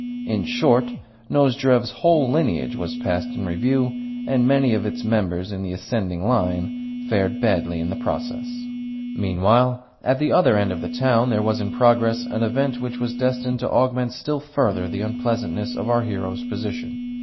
In short, Nozdrev's whole lineage was passed in review; and many of its members in the ascending line fared badly in the process. Meanwhile, at the other end of the town there was in progress an event which was destined to augment still further the unpleasantness of our hero's position.